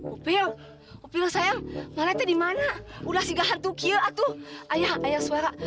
uphill sayang malah tadi mana udah sigahan tuh kira tuh ayah ayah suara